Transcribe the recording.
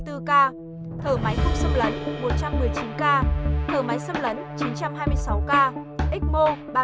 thở máy không xâm lấn một trăm một mươi chín ca thở máy xâm lấn chín trăm hai mươi sáu ca x mo ba mươi năm ca